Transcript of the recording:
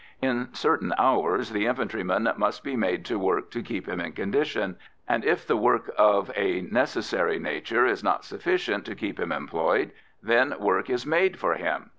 In certain hours, the infantryman must be made to work to keep him in condition, and if the work of a necessary nature is not sufficient to keep him employed, then work is made for him.